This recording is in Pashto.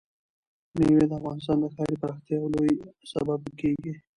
مېوې د افغانستان د ښاري پراختیا یو لوی سبب کېږي.